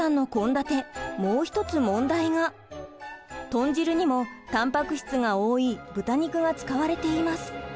豚汁にもたんぱく質が多い豚肉が使われています。